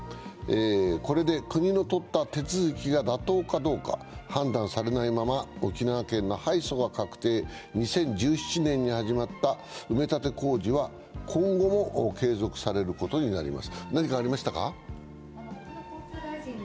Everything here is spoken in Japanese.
これで国の取った手続が妥当かどうか判断されないまま沖縄県の敗訴が確定、２０１７年に始まった埋め立て工事は今後も継続されることになります。